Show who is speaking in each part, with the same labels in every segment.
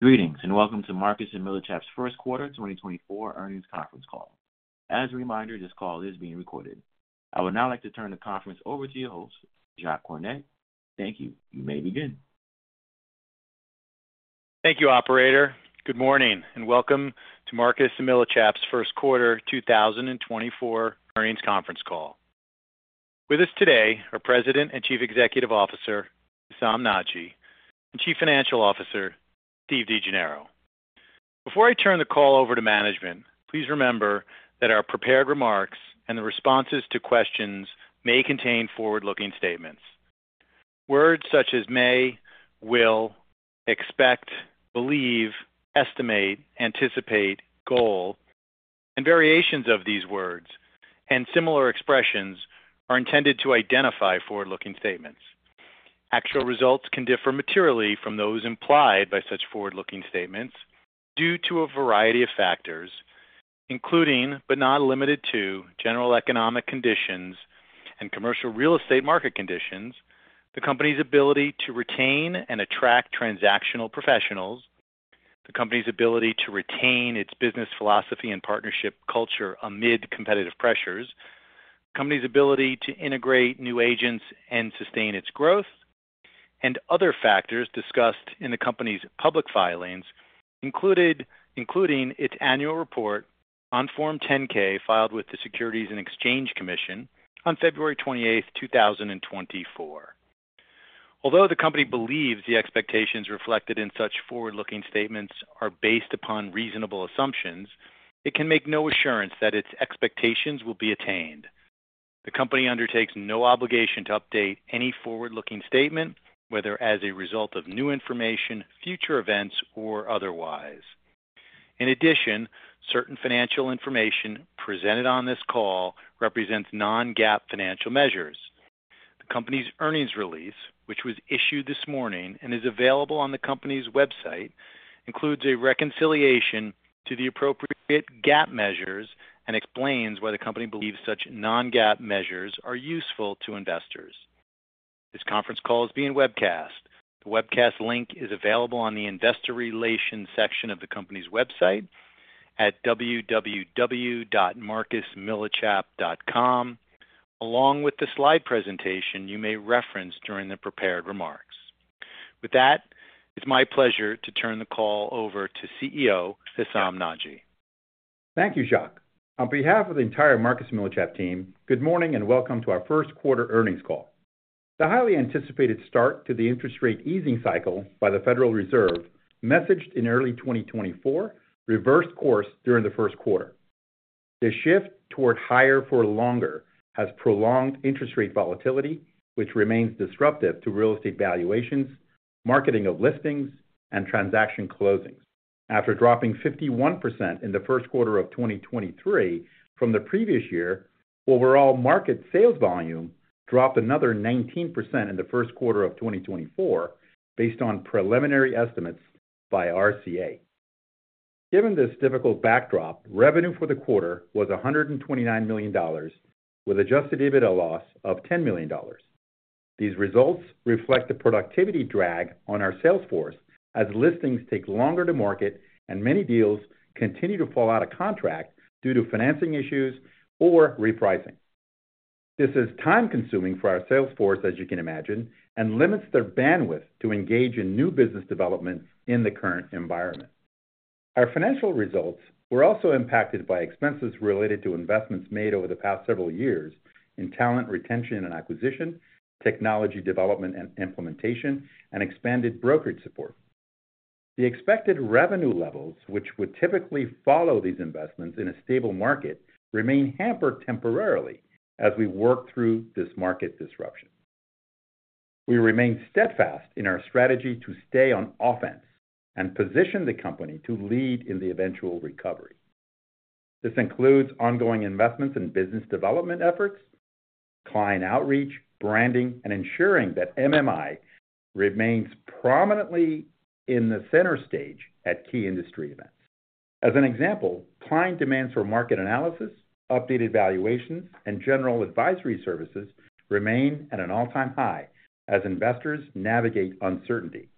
Speaker 1: Greetings, and welcome to Marcus & Millichap's first quarter 2024 earnings conference call. As a reminder, this call is being recorded. I would now like to turn the conference over to your host, Jacques Cornet. Thank you. You may begin.
Speaker 2: Thank you, operator. Good morning, and welcome to Marcus & Millichap's first quarter 2024 earnings conference call. With us today are President and Chief Executive Officer, Hessam Nadji, and Chief Financial Officer, Steve DeGennaro. Before I turn the call over to management, please remember that our prepared remarks and the responses to questions may contain forward-looking statements. Words such as may, will, expect, believe, estimate, anticipate, goal, and variations of these words, and similar expressions are intended to identify forward-looking statements. Actual results can differ materially from those implied by such forward-looking statements due to a variety of factors, including, but not limited to, general economic conditions and commercial real estate market conditions, the company's ability to retain and attract transactional professionals, the company's ability to retain its business philosophy and partnership culture amid competitive pressures, the company's ability to integrate new agents and sustain its growth, and other factors discussed in the company's public filings, including its annual report on Form 10-K, filed with the Securities and Exchange Commission on February 28, 2024. Although the company believes the expectations reflected in such forward-looking statements are based upon reasonable assumptions, it can make no assurance that its expectations will be attained. The company undertakes no obligation to update any forward-looking statement, whether as a result of new information, future events, or otherwise. In addition, certain financial information presented on this call represents non-GAAP financial measures. The company's earnings release, which was issued this morning and is available on the company's website, includes a reconciliation to the appropriate GAAP measures and explains why the company believes such non-GAAP measures are useful to investors. This conference call is being webcast. The webcast link is available on the investor relations section of the company's website at www.marcusmillichap.com. Along with the slide presentation, you may reference during the prepared remarks. With that, it's my pleasure to turn the call over to CEO, Hessam Nadji.
Speaker 3: Thank you, Jacques. On behalf of the entire Marcus & Millichap team, good morning and welcome to our first quarter earnings call. The highly anticipated start to the interest rate easing cycle by the Federal Reserve, messaged in early 2024, reversed course during the first quarter. The shift toward higher for longer has prolonged interest rate volatility, which remains disruptive to real estate valuations, marketing of listings, and transaction closings. After dropping 51% in the first quarter of 2023 from the previous year, overall market sales volume dropped another 19% in the first quarter of 2024, based on preliminary estimates by RCA. Given this difficult backdrop, revenue for the quarter was $129 million, with Adjusted EBITDA loss of $10 million. These results reflect the productivity drag on our sales force as listings take longer to market and many deals continue to fall out of contract due to financing issues or repricing. This is time-consuming for our sales force, as you can imagine, and limits their bandwidth to engage in new business development in the current environment. Our financial results were also impacted by expenses related to investments made over the past several years in talent, retention and acquisition, technology development and implementation, and expanded brokerage support. The expected revenue levels, which would typically follow these investments in a stable market, remain hampered temporarily as we work through this market disruption. We remain steadfast in our strategy to stay on offense and position the company to lead in the eventual recovery. This includes ongoing investments in business development efforts, client outreach, branding, and ensuring that MMI remains prominently in the center stage at key industry events. As an example, client demands for market analysis, updated valuations, and general advisory services remain at an all-time high as investors navigate uncertainty.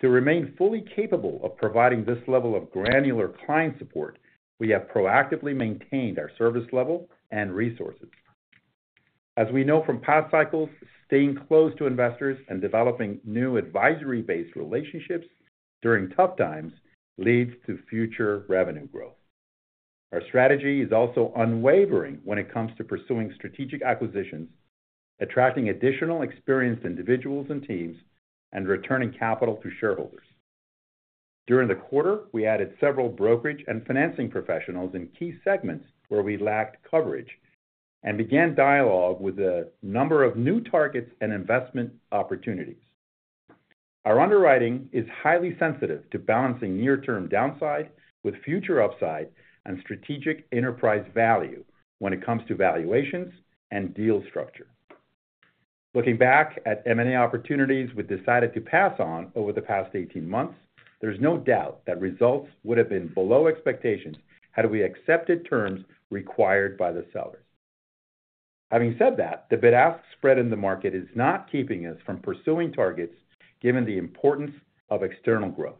Speaker 3: To remain fully capable of providing this level of granular client support, we have proactively maintained our service level and resources. As we know from past cycles, staying close to investors and developing new advisory-based relationships during tough times leads to future revenue growth. Our strategy is also unwavering when it comes to pursuing strategic acquisitions, attracting additional experienced individuals and teams, and returning capital to shareholders. During the quarter, we added several brokerage and financing professionals in key segments where we lacked coverage and began dialogue with a number of new targets and investment opportunities. Our underwriting is highly sensitive to balancing near-term downside with future upside and strategic enterprise value when it comes to valuations and deal structure. Looking back at M&A opportunities we decided to pass on over the past 18 months, there's no doubt that results would have been below expectations had we accepted terms required by the sellers. Having said that, the bid-ask spread in the market is not keeping us from pursuing targets, given the importance of external growth.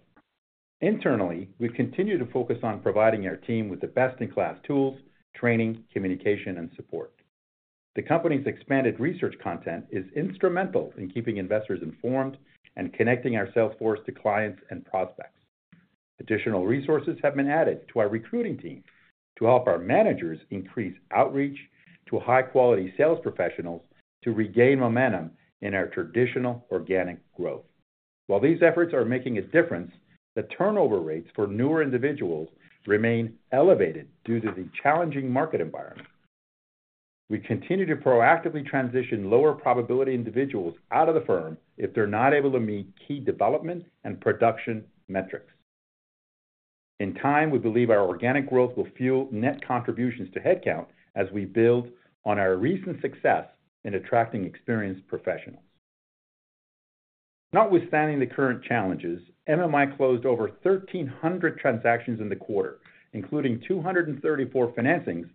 Speaker 3: Internally, we've continued to focus on providing our team with the best-in-class tools, training, communication, and support. The company's expanded research content is instrumental in keeping investors informed and connecting our sales force to clients and prospects. Additional resources have been added to our recruiting team to help our managers increase outreach to high-quality sales professionals to regain momentum in our traditional organic growth. While these efforts are making a difference, the turnover rates for newer individuals remain elevated due to the challenging market environment. We continue to proactively transition lower-probability individuals out of the firm if they're not able to meet key development and production metrics. In time, we believe our organic growth will fuel net contributions to headcount as we build on our recent success in attracting experienced professionals. Notwithstanding the current challenges, MMI closed over 1,300 transactions in the quarter, including 234 financings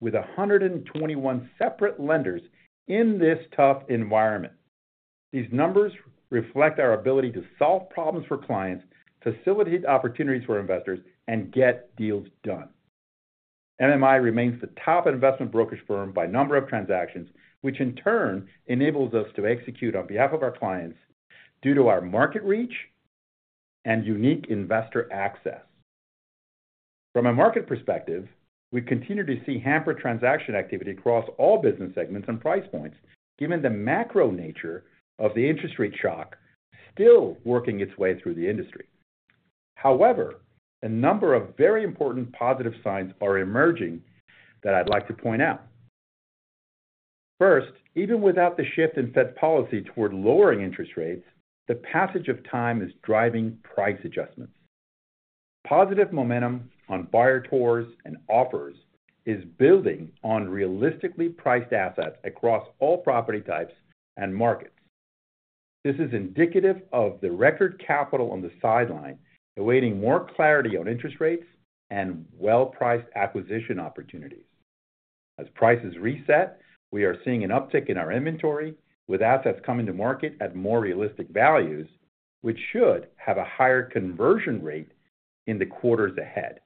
Speaker 3: with 121 separate lenders in this tough environment. These numbers reflect our ability to solve problems for clients, facilitate opportunities for investors, and get deals done. MMI remains the top investment brokerage firm by number of transactions, which in turn enables us to execute on behalf of our clients due to our market reach and unique investor access. From a market perspective, we continue to see hampered transaction activity across all business segments and price points, given the macro nature of the interest rate shock still working its way through the industry. However, a number of very important positive signs are emerging that I'd like to point out. First, even without the shift in Fed policy toward lowering interest rates, the passage of time is driving price adjustments. Positive momentum on buyer tours and offers is building on realistically priced assets across all property types and markets. This is indicative of the record capital on the sidelines, awaiting more clarity on interest rates and well-priced acquisition opportunities. As prices reset, we are seeing an uptick in our inventory, with assets coming to market at more realistic values, which should have a higher conversion rate in the quarters ahead.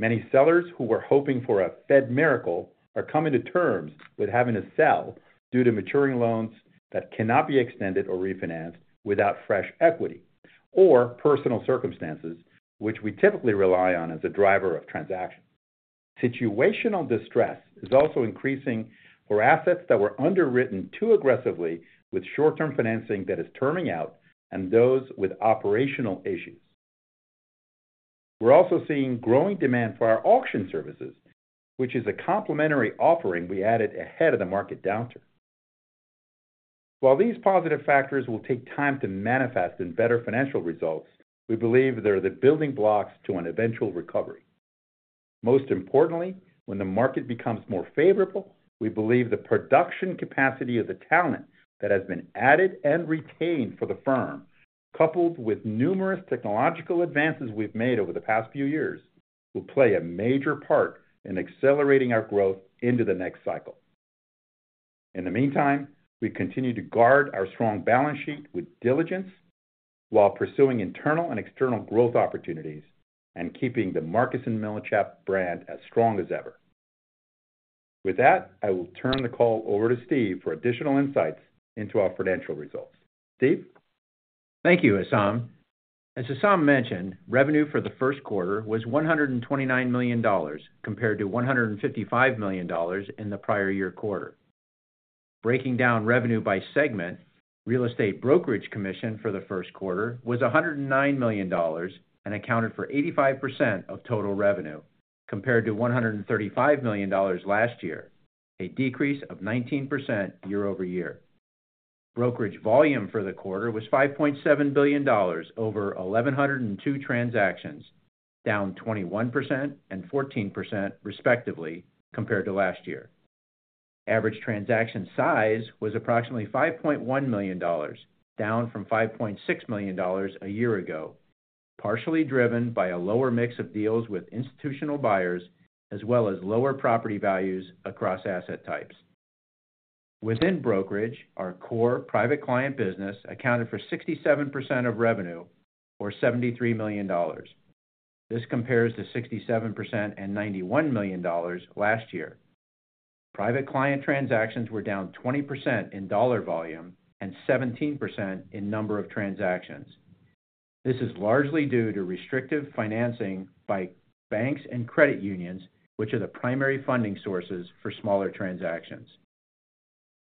Speaker 3: Many sellers who were hoping for a Fed miracle are coming to terms with having to sell due to maturing loans that cannot be extended or refinanced without fresh equity or personal circumstances, which we typically rely on as a driver of transactions. Situational distress is also increasing for assets that were underwritten too aggressively with short-term financing that is terming out and those with operational issues. We're also seeing growing demand for our auction services, which is a complementary offering we added ahead of the market downturn. While these positive factors will take time to manifest in better financial results, we believe they're the building blocks to an eventual recovery. Most importantly, when the market becomes more favorable, we believe the production capacity of the talent that has been added and retained for the firm, coupled with numerous technological advances we've made over the past few years, will play a major part in accelerating our growth into the next cycle. In the meantime, we continue to guard our strong balance sheet with diligence while pursuing internal and external growth opportunities and keeping the Marcus & Millichap brand as strong as ever. With that, I will turn the call over to Steve for additional insights into our financial results. Steve?
Speaker 4: Thank you, Hessam. As Hessam mentioned, revenue for the first quarter was $129 million, compared to $155 million in the prior year quarter. Breaking down revenue by segment, real estate brokerage commission for the first quarter was $109 million and accounted for 85% of total revenue, compared to $135 million last year, a decrease of 19% year-over-year. Brokerage volume for the quarter was $5.7 billion over 1,102 transactions, down 21% and 14%, respectively, compared to last year. Average transaction size was approximately $5.1 million, down from $5.6 million a year ago, partially driven by a lower mix of deals with institutional buyers, as well as lower property values across asset types. Within brokerage, our core private client business accounted for 67% of revenue, or $73 million. This compares to 67% and $91 million last year. Private client transactions were down 20% in dollar volume and 17% in number of transactions. This is largely due to restrictive financing by banks and credit unions, which are the primary funding sources for smaller transactions.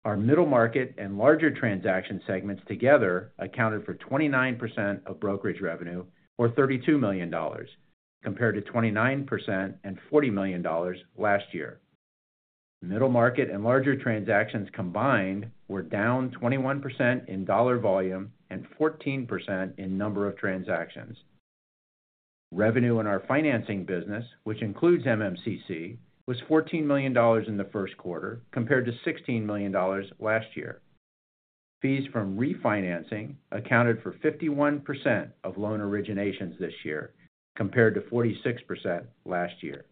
Speaker 4: Our middle market and larger transaction segments together accounted for 29% of brokerage revenue, or $32 million, compared to 29% and $40 million last year. Middle market and larger transactions combined were down 21% in dollar volume and 14% in number of transactions. Revenue in our financing business, which includes MMCC, was $14 million in the first quarter, compared to $16 million last year.... Fees from refinancing accounted for 51% of loan originations this year, compared to 46% last year.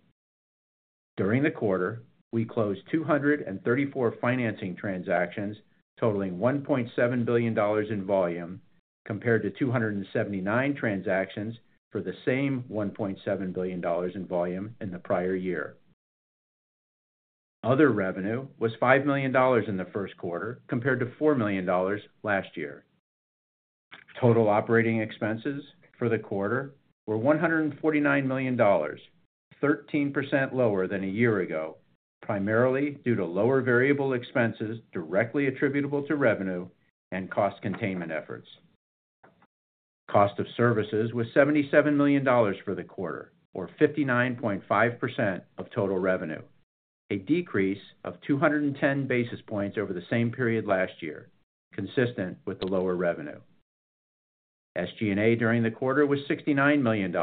Speaker 4: During the quarter, we closed 234 financing transactions, totaling $1.7 billion in volume, compared to 279 transactions for the same $1.7 billion in volume in the prior year. Other revenue was $5 million in the first quarter, compared to $4 million last year. Total operating expenses for the quarter were $149 million, 13% lower than a year ago, primarily due to lower variable expenses directly attributable to revenue and cost containment efforts. Cost of services was $77 million for the quarter, or 59.5% of total revenue, a decrease of 210 basis points over the same period last year, consistent with the lower revenue. SG&A during the quarter was $69 million,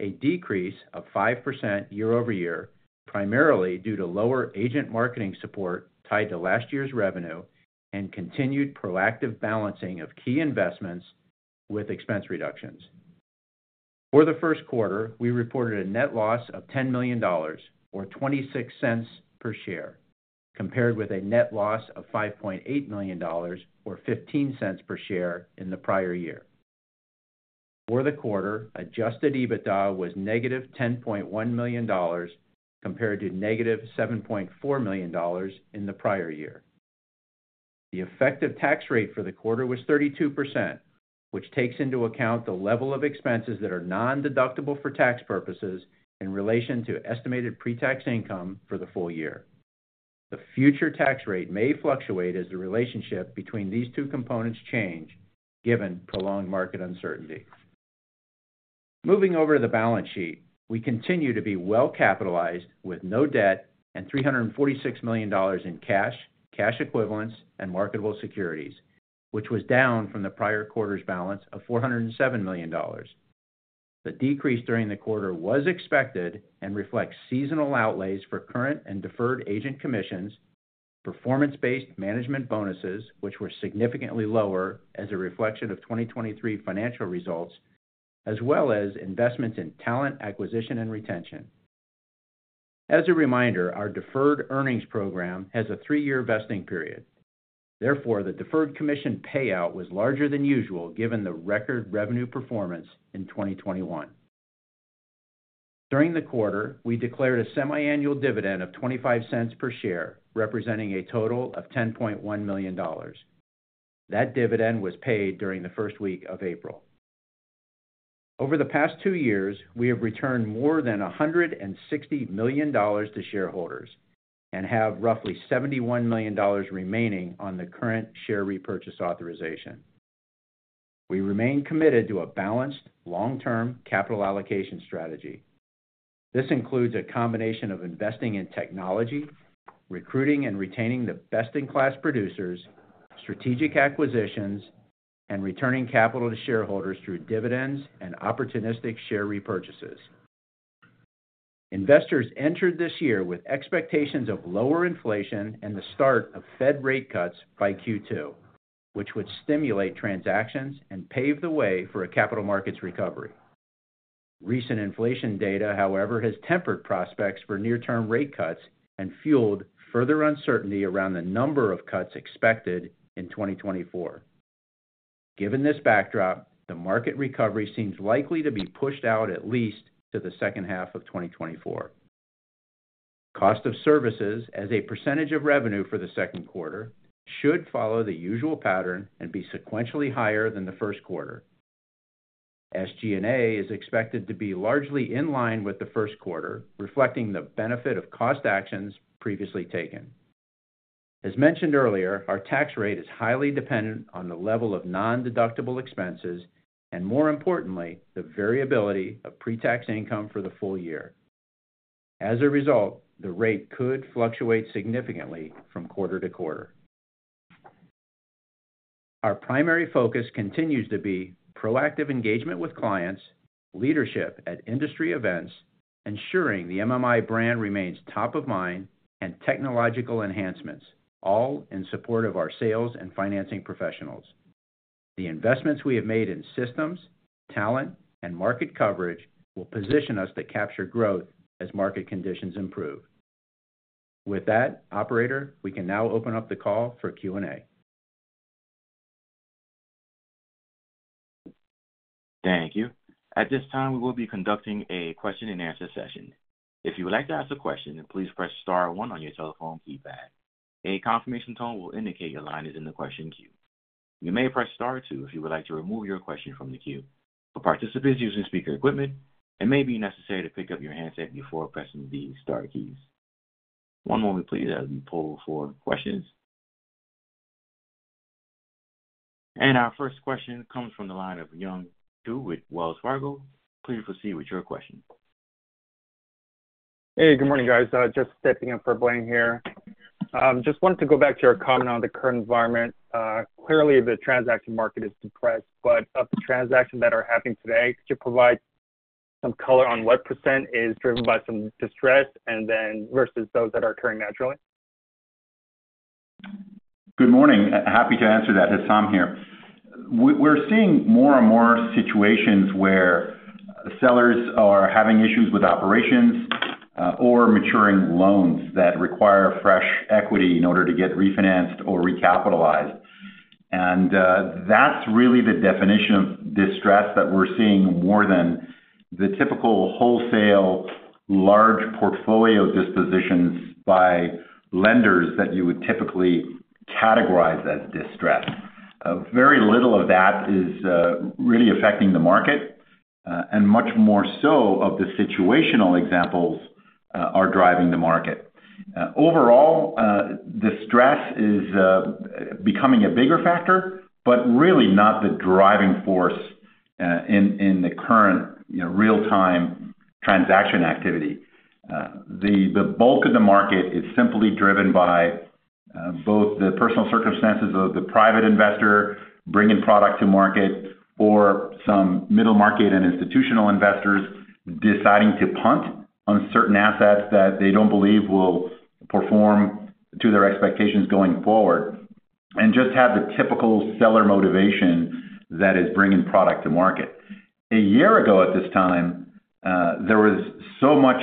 Speaker 4: a decrease of 5% year-over-year, primarily due to lower agent marketing support tied to last year's revenue and continued proactive balancing of key investments with expense reductions. For the first quarter, we reported a net loss of $10 million, or $0.26 per share, compared with a net loss of $5.8 million, or $0.15 per share in the prior year. For the quarter, adjusted EBITDA was -$10.1 million, compared to -$7.4 million in the prior year. The effective tax rate for the quarter was 32%, which takes into account the level of expenses that are nondeductible for tax purposes in relation to estimated pre-tax income for the full year. The future tax rate may fluctuate as the relationship between these two components change, given prolonged market uncertainty. Moving over to the balance sheet, we continue to be well capitalized with no debt and $346 million in cash, cash equivalents, and marketable securities, which was down from the prior quarter's balance of $407 million. The decrease during the quarter was expected and reflects seasonal outlays for current and deferred agent commissions, performance-based management bonuses, which were significantly lower as a reflection of 2023 financial results, as well as investments in talent, acquisition and retention. As a reminder, our deferred earnings program has a three-year vesting period. Therefore, the deferred commission payout was larger than usual, given the record revenue performance in 2021. During the quarter, we declared a semiannual dividend of $0.25 per share, representing a total of $10.1 million. That dividend was paid during the first week of April. Over the past two years, we have returned more than $160 million to shareholders and have roughly $71 million remaining on the current share repurchase authorization. We remain committed to a balanced, long-term capital allocation strategy. This includes a combination of investing in technology, recruiting and retaining the best-in-class producers, strategic acquisitions, and returning capital to shareholders through dividends and opportunistic share repurchases. Investors entered this year with expectations of lower inflation and the start of Fed rate cuts by Q2, which would stimulate transactions and pave the way for a capital markets recovery. Recent inflation data, however, has tempered prospects for near-term rate cuts and fueled further uncertainty around the number of cuts expected in 2024. Given this backdrop, the market recovery seems likely to be pushed out at least to the second half of 2024. Cost of services as a percentage of revenue for the second quarter, should follow the usual pattern and be sequentially higher than the first quarter. SG&A is expected to be largely in line with the first quarter, reflecting the benefit of cost actions previously taken. As mentioned earlier, our tax rate is highly dependent on the level of nondeductible expenses, and more importantly, the variability of pre-tax income for the full year. As a result, the rate could fluctuate significantly from quarter to quarter. Our primary focus continues to be proactive engagement with clients, leadership at industry events, ensuring the MMI brand remains top of mind, and technological enhancements, all in support of our sales and financing professionals. The investments we have made in systems, talent, and market coverage will position us to capture growth as market conditions improve. With that, operator, we can now open up the call for Q&A.
Speaker 1: Thank you. At this time, we will be conducting a question-and-answer session. If you would like to ask a question, then please press star one on your telephone keypad. A confirmation tone will indicate your line is in the question queue. You may press star two if you would like to remove your question from the queue. For participants using speaker equipment, it may be necessary to pick up your handset before pressing the star keys. One moment, please, as we pull for questions. Our first question comes from the line of Young Ku with Wells Fargo. Please proceed with your question.
Speaker 5: Hey, good morning, guys, just stepping in for Blaine here. Just wanted to go back to your comment on the current environment. Clearly, the transaction market is depressed, but of the transactions that are happening today, could you provide some color on what percent is driven by some distress and then versus those that are occurring naturally?
Speaker 3: Good morning. Happy to answer that. Hessam here. We're seeing more and more situations where sellers are having issues with operations, or maturing loans that require fresh equity in order to get refinanced or recapitalized. And, that's really the definition of distress that we're seeing, more than the typical wholesale, large portfolio dispositions by lenders that you would typically categorize as distressed. Very little of that is really affecting the market, and much more so of the situational examples are driving the market. Overall, distress is becoming a bigger factor, but really not the driving force, in the current, you know, real-time transaction activity. The bulk of the market is simply driven by both the personal circumstances of the private investor bringing product to market, or some middle market and institutional investors deciding to punt on certain assets that they don't believe will perform to their expectations going forward, and just have the typical seller motivation that is bringing product to market. A year ago at this time, there was so much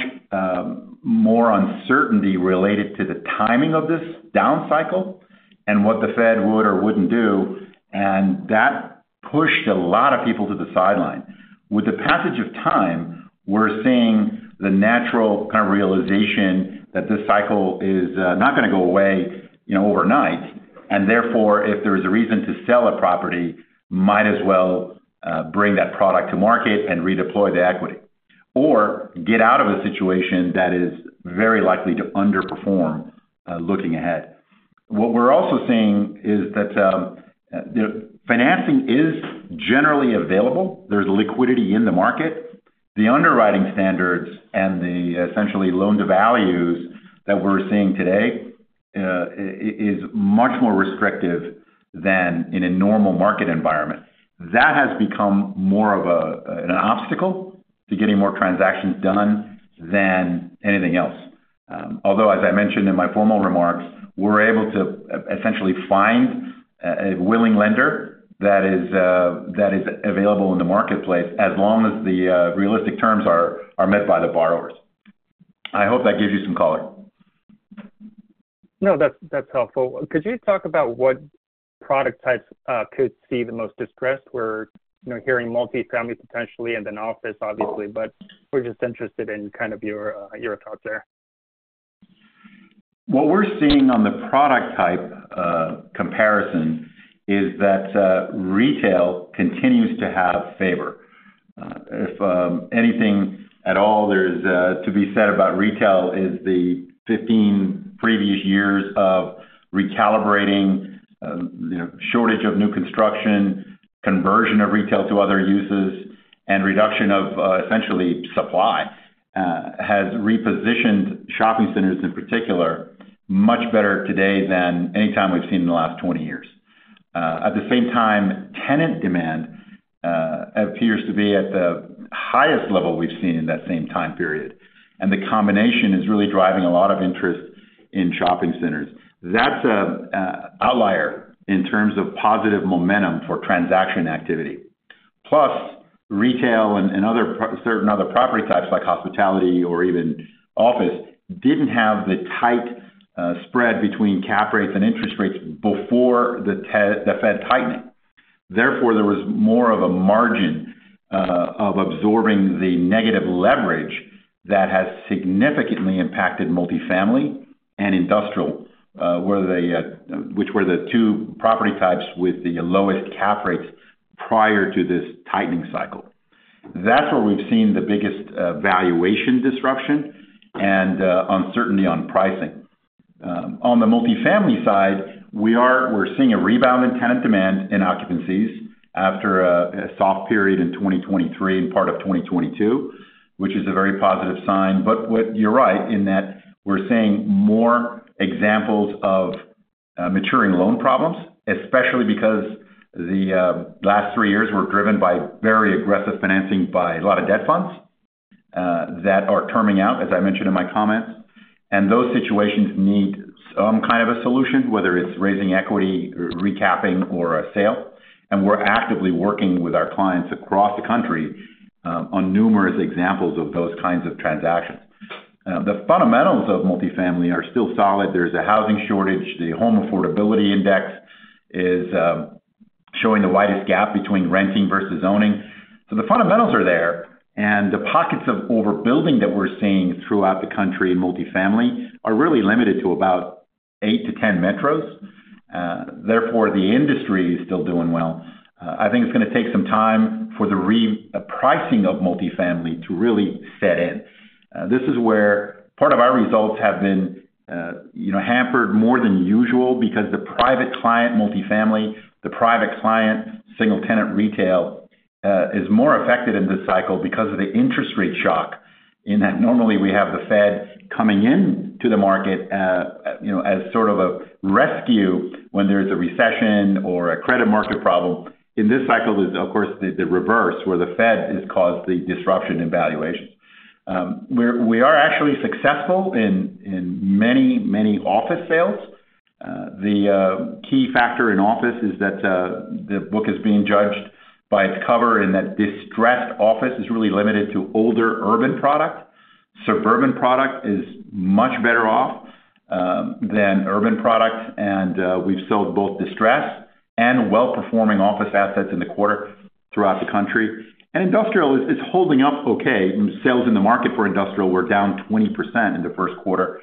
Speaker 3: more uncertainty related to the timing of this down cycle and what the Fed would or wouldn't do, and that pushed a lot of people to the sideline. With the passage of time, we're seeing the natural kind of realization that this cycle is not gonna go away, you know, overnight, and therefore, if there is a reason to sell a property, might as well bring that product to market and redeploy the equity, or get out of a situation that is very likely to underperform looking ahead. What we're also seeing is that the financing is generally available. There's liquidity in the market. The underwriting standards and the essentially loan-to-values that we're seeing today is much more restrictive than in a normal market environment. That has become more of an obstacle to getting more transactions done than anything else. Although, as I mentioned in my formal remarks, we're able to essentially find a willing lender that is available in the marketplace, as long as the realistic terms are met by the borrowers. I hope that gives you some color.
Speaker 5: No, that's, that's helpful. Could you talk about what product types could see the most distress? We're, you know, hearing multifamily, potentially, and then office, obviously, but we're just interested in kind of your, your thoughts there.
Speaker 3: What we're seeing on the product type comparison is that retail continues to have favor. If anything at all there's to be said about retail is the 15 previous years of recalibrating, you know, shortage of new construction, conversion of retail to other uses, and reduction of essentially supply has repositioned shopping centers, in particular, much better today than any time we've seen in the last 20 years. At the same time, tenant demand appears to be at the highest level we've seen in that same time period, and the combination is really driving a lot of interest in shopping centers. That's an outlier in terms of positive momentum for transaction activity. Plus, retail and certain other property types, like hospitality or even office, didn't have the tight spread between cap rates and interest rates before the Fed tightening. Therefore, there was more of a margin of absorbing the negative leverage that has significantly impacted multifamily and industrial, where they, which were the two property types with the lowest cap rates prior to this tightening cycle. That's where we've seen the biggest valuation disruption and uncertainty on pricing. On the multifamily side, we're seeing a rebound in tenant demand and occupancies after a soft period in 2023 and part of 2022, which is a very positive sign. But what- You're right, in that we're seeing more examples of maturing loan problems, especially because the last three years were driven by very aggressive financing by a lot of debt funds that are terming out, as I mentioned in my comments. And those situations need some kind of a solution, whether it's raising equity, recapping, or a sale, and we're actively working with our clients across the country on numerous examples of those kinds of transactions. The fundamentals of multifamily are still solid. There's a housing shortage. The Home Affordability Index is showing the widest gap between renting versus owning. So the fundamentals are there, and the pockets of overbuilding that we're seeing throughout the country in multifamily are really limited to about eight to 10 metros. Therefore, the industry is still doing well. I think it's gonna take some time for the pricing of multifamily to really set in. This is where part of our results have been, you know, hampered more than usual because the private client multifamily, the private client single-tenant retail, is more affected in this cycle because of the interest rate shock, in that normally we have the Fed coming in to the market, you know, as sort of a rescue when there's a recession or a credit market problem. In this cycle is, of course, the reverse, where the Fed has caused the disruption in valuations. We are actually successful in many, many office sales. The key factor in office is that the book is being judged by its cover, and that distressed office is really limited to older urban product. Suburban product is much better off than urban product, and we've sold both distressed and well-performing office assets in the quarter throughout the country. Industrial is holding up okay. Sales in the market for industrial were down 20% in the first quarter,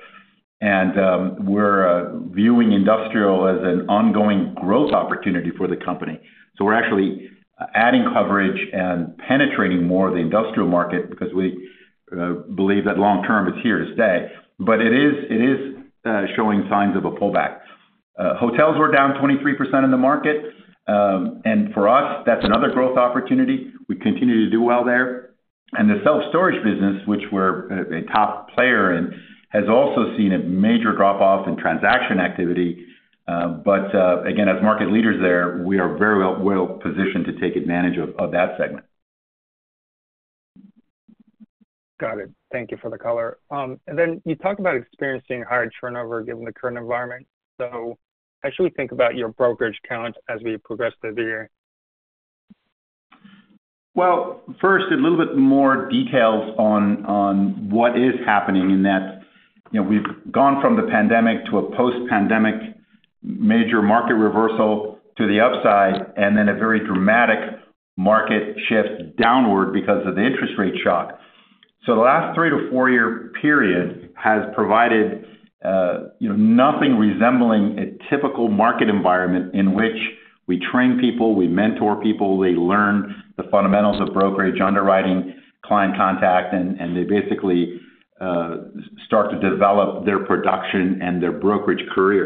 Speaker 3: and we're viewing industrial as an ongoing growth opportunity for the company. So we're actually adding coverage and penetrating more of the industrial market because we believe that long term, it's here to stay, but it is showing signs of a pullback. Hotels were down 23% in the market. And for us, that's another growth opportunity. We continue to do well there. And the self-storage business, which we're a top player in, has also seen a major drop-off in transaction activity. But, again, as market leaders there, we are very well-positioned to take advantage of that segment.
Speaker 5: Got it. Thank you for the color. And then you talked about experiencing higher turnover given the current environment. So how should we think about your brokerage count as we progress through the year?
Speaker 3: Well, first, a little bit more details on what is happening in that, you know, we've gone from the pandemic to a post-pandemic major market reversal to the upside, and then a very dramatic market shift downward because of the interest rate shock. So the last three to four year period has provided, you know, nothing resembling a typical market environment in which we train people, we mentor people, they learn the fundamentals of brokerage, underwriting, client contact, and they basically start to develop their production and their brokerage career.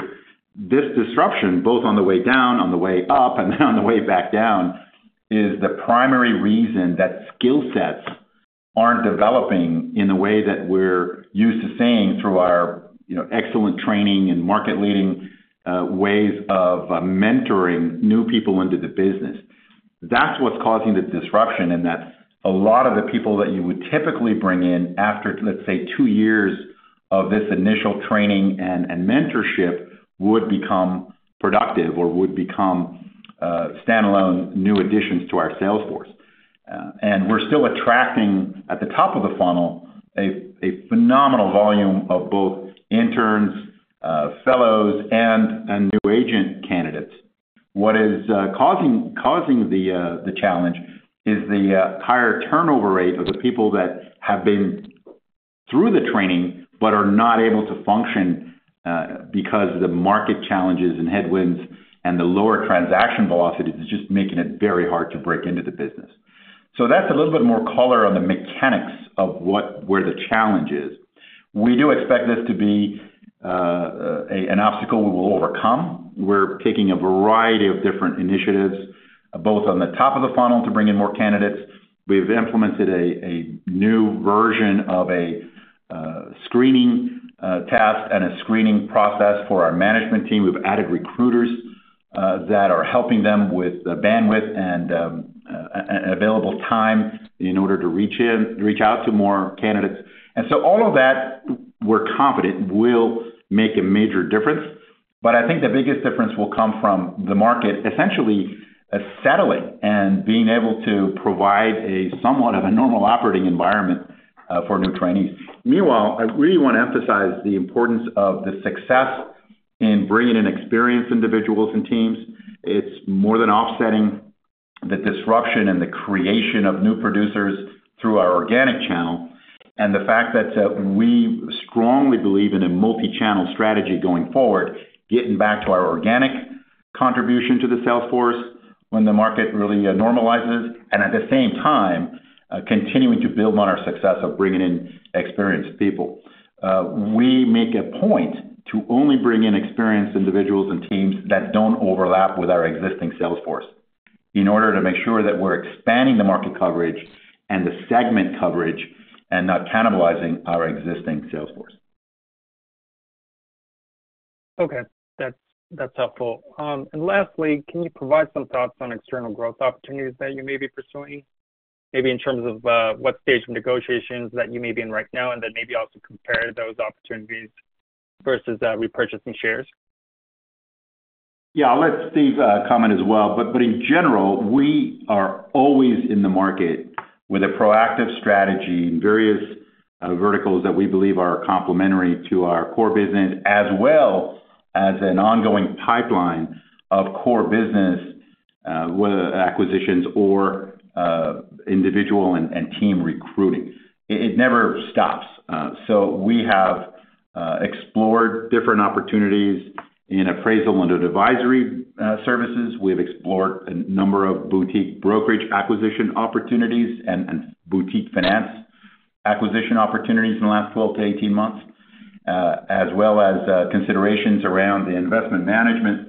Speaker 3: This disruption, both on the way down, on the way up, and then on the way back down, is the primary reason that skill sets aren't developing in the way that we're used to seeing through our, you know, excellent training and market-leading ways of mentoring new people into the business. That's what's causing the disruption, and that's a lot of the people that you would typically bring in after, let's say, two years of this initial training and mentorship, would become productive or would become standalone new additions to our sales force. And we're still attracting, at the top of the funnel, a phenomenal volume of both interns, fellows, and new agent candidates. What is causing the challenge is the higher turnover rate of the people that have been through the training but are not able to function because of the market challenges and headwinds, and the lower transaction velocity is just making it very hard to break into the business. So that's a little bit more color on the mechanics of where the challenge is. We do expect this to be an obstacle we will overcome. We're taking a variety of different initiatives, both on the top of the funnel, to bring in more candidates. We've implemented a new version of a screening test and a screening process for our management team. We've added recruiters that are helping them with the bandwidth and available time in order to reach out to more candidates. And so all of that, we're confident, will make a major difference. But I think the biggest difference will come from the market, essentially, settling and being able to provide a somewhat of a normal operating environment for new trainees. Meanwhile, I really want to emphasize the importance of the success in bringing in experienced individuals and teams. It's more than offsetting the disruption and the creation of new producers through our organic channel, and the fact that, we strongly believe in a multi-channel strategy going forward, getting back to our organic contribution to the sales force when the market really, normalizes, and at the same time, continuing to build on our success of bringing in experienced people. We make a point to only bring in experienced individuals and teams that don't overlap with our existing sales force in order to make sure that we're expanding the market coverage and the segment coverage and not cannibalizing our existing sales force.
Speaker 5: Okay. That's, that's helpful. And lastly, can you provide some thoughts on external growth opportunities that you may be pursuing, maybe in terms of, what stage of negotiations that you may be in right now, and then maybe also compare those opportunities versus, repurchasing shares?
Speaker 3: Yeah, I'll let Steve comment as well. But in general, we are always in the market with a proactive strategy in various verticals that we believe are complementary to our core business, as well as an ongoing pipeline of core business, whether acquisitions or individual and team recruiting. It never stops. So we have explored different opportunities in appraisal and advisory services. We've explored a number of boutique brokerage acquisition opportunities and boutique finance acquisition opportunities in the last 12-18 months, as well as considerations around the investment management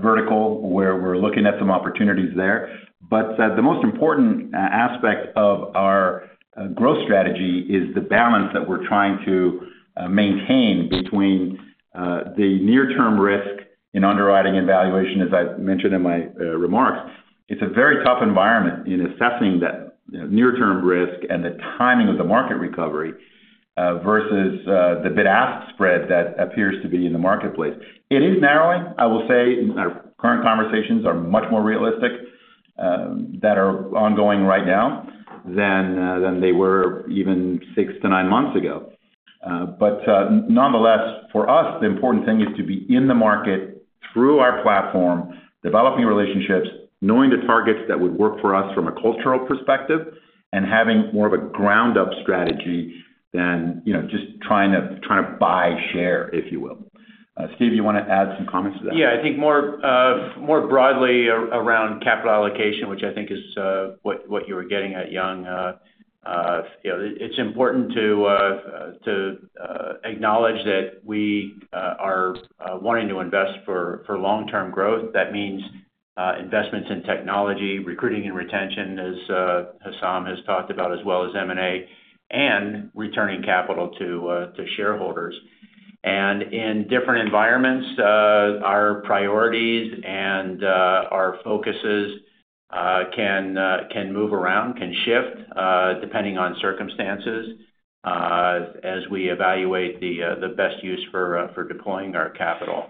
Speaker 3: vertical, where we're looking at some opportunities there. But the most important aspect of our growth strategy is the balance that we're trying to maintain between the near-term risk in underwriting and valuation, as I've mentioned in my remarks. It's a very tough environment in assessing that, the near-term risk and the timing of the market recovery, versus the bid-ask spread that appears to be in the marketplace. It is narrowing, I will say, our current conversations are much more realistic, that are ongoing right now, than they were even six to nine months ago. But nonetheless, for us, the important thing is to be in the market through our platform, developing relationships, knowing the targets that would work for us from a cultural perspective, and having more of a ground-up strategy than, you know, just trying to buy share, if you will. Steve, you wanna add some comments to that?
Speaker 4: Yeah. I think more, more broadly around capital allocation, which I think is, what, what you were getting at, Young. You know, it's important to, to, acknowledge that we, are, wanting to invest for, for long-term growth. That means, investments in technology, recruiting and retention, as, Hessam has talked about, as well as M&A, and returning capital to, to shareholders. And in different environments, our priorities and, our focuses, can, can move around, can shift, depending on circumstances, as we evaluate the, the best use for, for deploying our capital.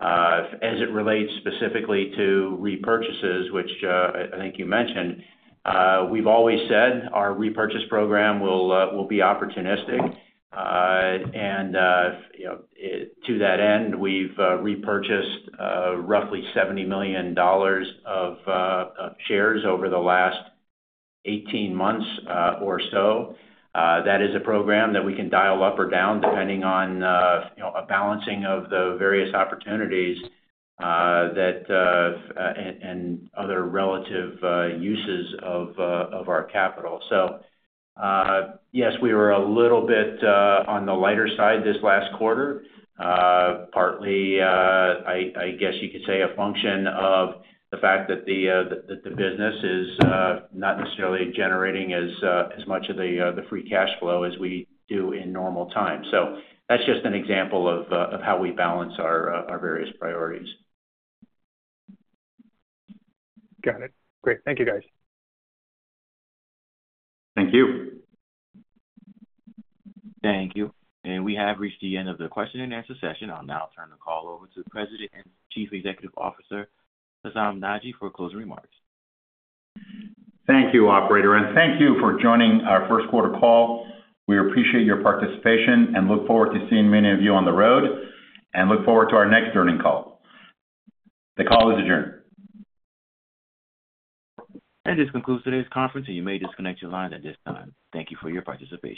Speaker 4: As it relates specifically to repurchases, which, I, I think you mentioned, we've always said our repurchase program will, will be opportunistic. And, you know, to that end, we've repurchased roughly $70 million of shares over the last 18 months or so. That is a program that we can dial up or down, depending on, you know, a balancing of the various opportunities and other relative uses of our capital. So, yes, we were a little bit on the lighter side this last quarter. Partly, I guess you could say, a function of the fact that the business is not necessarily generating as much of the free cash flow as we do in normal times. So that's just an example of how we balance our various priorities.
Speaker 5: Got it. Great. Thank you, guys.
Speaker 3: Thank you.
Speaker 1: Thank you. We have reached the end of the question and answer session. I'll now turn the call over to the President and Chief Executive Officer, Hessam Nadji, for closing remarks.
Speaker 3: Thank you, operator, and thank you for joining our first quarter call. We appreciate your participation and look forward to seeing many of you on the road, and look forward to our next earnings call. The call is adjourned.
Speaker 1: This concludes today's conference, and you may disconnect your lines at this time. Thank you for your participation.